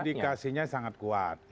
indikasinya sangat kuat